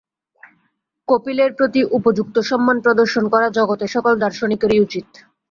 কপিলের প্রতি উপযুক্ত সম্মান প্রদর্শন করা জগতের সকল দার্শনিকেরই উচিত।